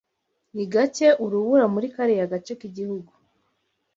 Ni gake urubura muri kariya gace k'igihugu.